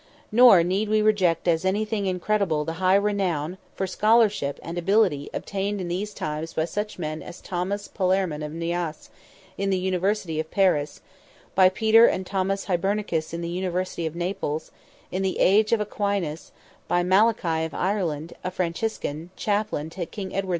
Nor need we reject as anything incredible the high renown for scholarship and ability obtained in those times by such men as Thomas Palmeran of Naas, in the University of Paris; by Peter and Thomas Hibernicus in the University of Naples, in the age of Aquinas; by Malachy of Ireland, a Franciscan, Chaplain to King Edward II.